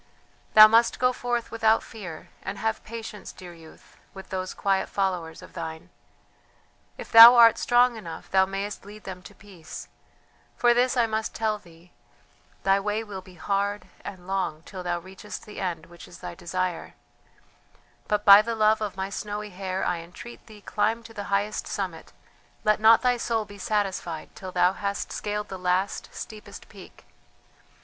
"Thou must go forth without fear; and have patience, dear youth, with those quiet followers of thine. If thou art strong enough thou mayest lead them to peace; for this I must tell thee: thy way will be hard and long till thou reachest the end which is thy desire; but by the love of my snowy hair I entreat thee climb to the highest summit, let not thy soul be satisfied till thou hast scaled the last, steepest peak.